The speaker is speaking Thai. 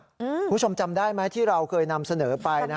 คุณผู้ชมจำได้ไหมที่เราเคยนำเสนอไป